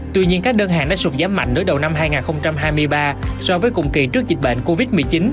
tuy nhiên các đơn hàng đã sụp giảm mạnh nửa đầu năm hai nghìn hai mươi ba so với cùng kỳ trước dịch bệnh covid một mươi chín